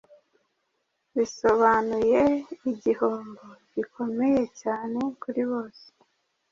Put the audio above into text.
bisobanuye igihombo gikomeye cyane kuri bose.